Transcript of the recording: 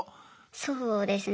そうですね。